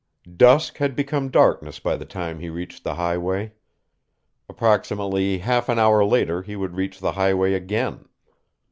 Dusk had become darkness by the time he reached the highway. Approximately half an hour later he would reach the highway again.